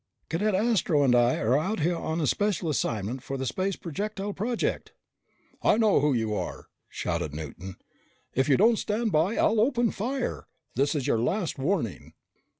Cadet Astro and I are out here on special assignment for the Space Projectile project." "I know who you are!" shouted Newton. "If you don't stand by, I'll open fire! This is your last warning!"